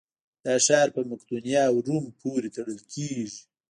دا ښار په مقدونیه او روم پورې تړل کېږي.